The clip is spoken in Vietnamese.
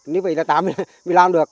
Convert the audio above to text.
nếu vậy là ta mới làm được